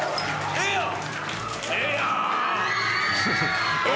ええやん！